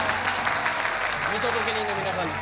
見届け人の皆さんです